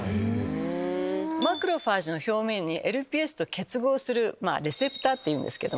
マクロファージの表面にＬＰＳと結合するレセプターっていうんですけども。